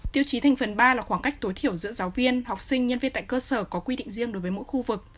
tiêu chí thành phần ba là khoảng cách tối thiểu giữa giáo viên học sinh nhân viên tại cơ sở có quy định riêng đối với mỗi khu vực